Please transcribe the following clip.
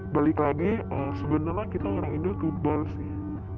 balik lagi sebenarnya kita orang indo tuh bol sih